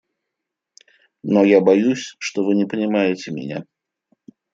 Но я боюсь, что вы не понимаете меня.